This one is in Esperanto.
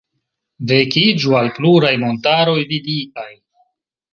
Vekiĝu al pluraj montaroj viditaj.